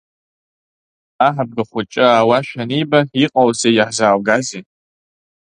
Аҳ абгахәыҷы аауашәа аниба, иҟоузеи, иаҳзааугазеи?